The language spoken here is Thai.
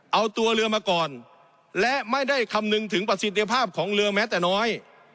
เอาตัวเรือมาก่อนและไม่ได้คำนึงถึงประสิทธิภาพของเรือแม้แต่น้อย